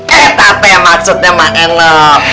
eh teh apa maksudnya mak enof